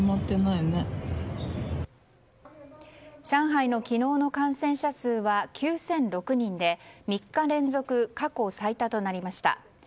上海の昨日の感染者数は９００６人で３日連続過去最多となりました。